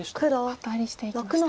アタリしていきました。